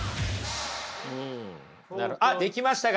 あできましたか？